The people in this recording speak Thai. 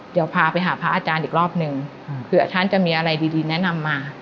เดี๋ยวพาไปหาพระอาจารย์อีกรอบหนึ่งเผื่อท่านจะมีอะไรดีแนะนำมา